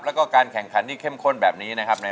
แล้วก็การแข่งขันที่เข้มข้นแบบนี้นะครับ